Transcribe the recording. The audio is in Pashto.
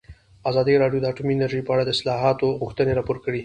ازادي راډیو د اټومي انرژي په اړه د اصلاحاتو غوښتنې راپور کړې.